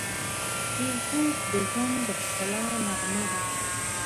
فېسبوک د ژوند د ښکلا نغمه ده